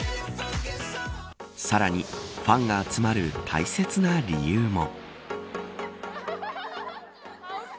さらにファンが集まる大切な理由も。